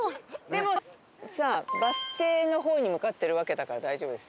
でもさバス停の方に向かってるわけだから大丈夫ですよ。